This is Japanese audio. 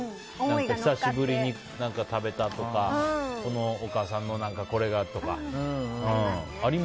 久しぶりに食べたとかお母さんのこれがとか。